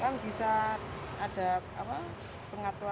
kan bisa ada apa pengatuan dari buku